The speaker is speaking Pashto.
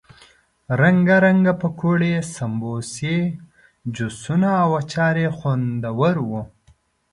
رنګه رنګه پکوړې، سموسې، جوسونه او اچار یې خوندور وو.